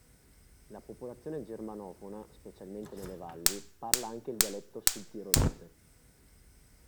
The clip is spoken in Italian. La popolazione germanofona, specialmente nelle valli, parla anche il dialetto sudtirolese.